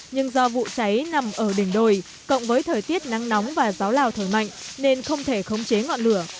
nhưng do vụ cháy nằm ở đỉnh đồi cộng với thời tiết nắng nóng và gió lào thở mạnh nên không thể khống chế ngọn lửa